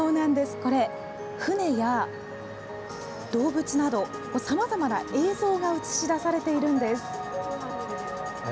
これ、船や動物などさまざまな映像が映し出されているんです。